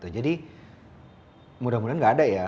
jadi mudah mudahan nggak ada ya